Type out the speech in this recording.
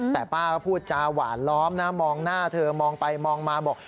แต่ป้าก็พูดจาหวานล้อมนะมองหน้าเธอมองไปมองมาบอก